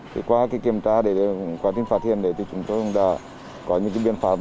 thì qua cái kiểm tra qua cái phát hiện thì chúng tôi đã có những biện pháp